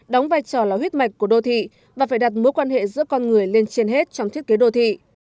đóng vai trò là huyết mạch của đô thị và phải đặt mối quan hệ giữa con người lên trên hết trong thiết kế đô thị